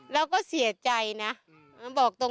แล้วก็เสียใจนะบอกตรง